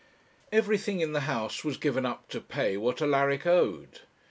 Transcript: Everything in the house was given up to pay what Alaric owed.